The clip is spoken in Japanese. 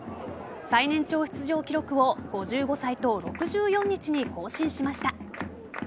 最年長出場記録を５５歳と６４日に更新しました。